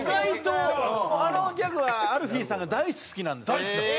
あのギャグはアルフィーさんが大好きなんですよ。